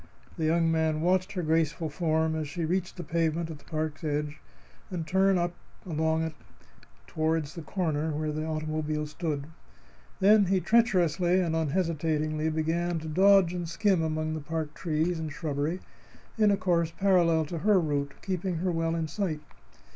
The young man watched her graceful form as she reached the pavement at the park's edge, and turned up along it toward the corner where stood the automobile. Then he treacherously and unhesitatingly began to dodge and skim among the park trees and shrubbery in a course parallel to her route, keeping her well in sight.